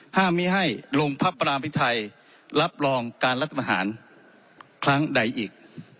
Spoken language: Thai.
ห้ามมีให้ลงภัพราพิทัยรับรองการรัฐบาหารครั้งใดอีก